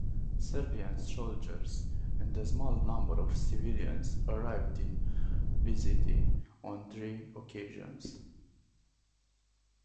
Serbian soldiers, and a small number of civilians, arrived in Bizerte on three occasions.